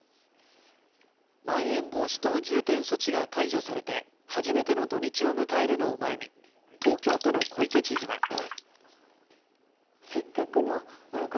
まん延防止等重点措置が解除されて初めての土日を迎えるのを前に東京都の小池知事は。